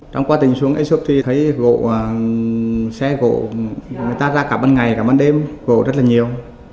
trong quá trình xuống a suốt thì thấy gỗ xe gỗ người ta ra cả ban ngày cả ban đêm gỗ rất là nhiều